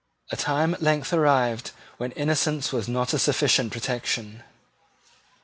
A time at length arrived when innocence was not a sufficient protection.